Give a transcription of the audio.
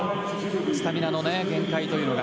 スタミナの限界というのが。